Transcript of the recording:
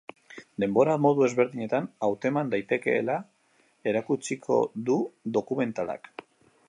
Denbora modu ezberdinetan hauteman daitekeela erakutsiko du dokumentalak.